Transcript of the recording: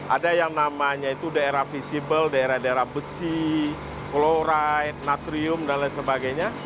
ada yang namanya itu daerah visible daerah daerah besi floride natrium dan lain sebagainya